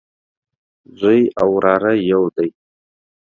زوی او وراره يودي